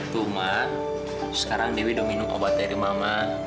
tuh ma sekarang dewi udah minum obat dari mama